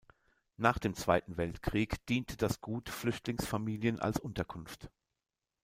Nach dem Zweiten Weltkrieg diente das Gut Flüchtlingsfamilien als Unterkunft.